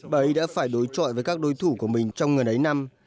bà ấy đã phải đối trọi với các đối thủ của mình trong người ấy năm